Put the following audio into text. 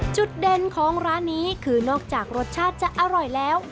จุดเด่นของร้านนี้คือนอกจากรสชาติจะอร่อยแล้ว